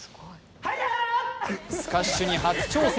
スカッシュに初挑戦。